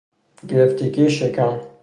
گرفتگی شکم